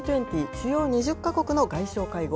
・主要２０か国の外相会合。